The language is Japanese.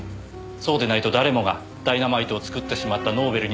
そうでないと誰もがダイナマイトを作ってしまったノーベルになりえる。